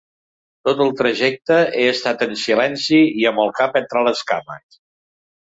Tot el trajecte he estat en silenci i amb el cap entre les cames.